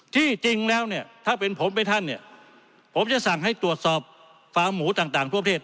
ที่จริงแล้วเนี่ยถ้าเป็นผมเป็นท่านเนี่ยผมจะสั่งให้ตรวจสอบฟาร์มหมูต่างทั่วประเทศ